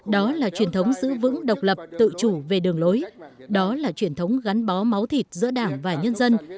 đó là truyền thống giữ vững độc lập tự chủ về đường lối đó là truyền thống gắn bó máu thịt giữa đảng và nhân dân